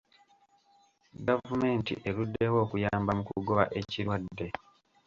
Gavumenti eruddewo okuyamba mu kugoba ekirwadde.